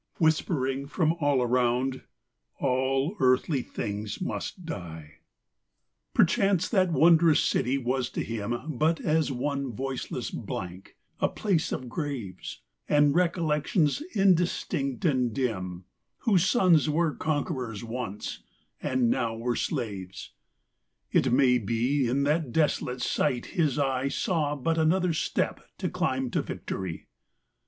Whispering from all around, " All earthly things must die.'' lO Alaric at Rome. XXXI. Perchance that wondrous city was to him But as one voiceless blank ; a place of graves, And recollections indistinct and dim, Whose sons were conquerors once, and now were slaves : It may be in that desolate sight his eye Saw but another step to climb to victory